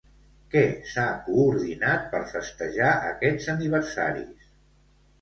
Què s'ha coordinat per festejar aquests aniversaris?